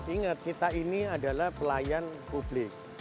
ingat kita ini adalah pelayan publik